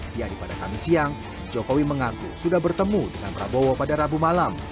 di hari pada kami siang jokowi mengaku sudah bertemu dengan prabowo pada rabu malam